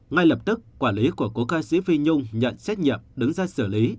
ngay lập tức quản lý của cổ ca sĩ phi nhung nhận xét nhậm đứng ra xử lý